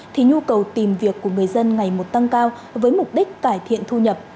thì nhu cầu tìm việc của người dân ngày một tăng cao với mục đích cải thiện thu nhập